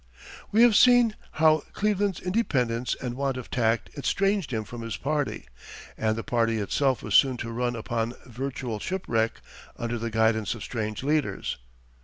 We have seen how Cleveland's independence and want of tact estranged him from his party, and the party itself was soon to run upon virtual shipwreck, under the guidance of strange leaders.